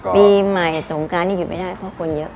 ปีใหม่สงการนี้อยู่ไม่ได้เพราะคนเยอะ